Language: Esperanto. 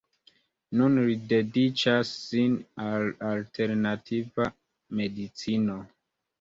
Nun li dediĉas sin al alternativa medicino.